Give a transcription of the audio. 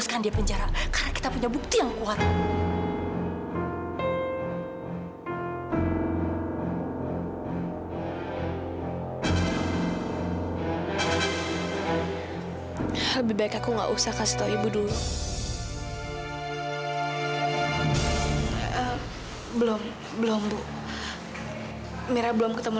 siapa tau kita bisa ngebantu